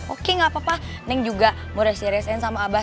oke gak apa apa neng juga mau diresin sama abah